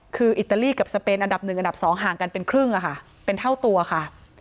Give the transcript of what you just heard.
คืออิตาลีกับสเปนอันดับ๑อันดับ๒ห่างกันเป็นครึ่งอะค่ะเป็นเท่าตัวค่ะ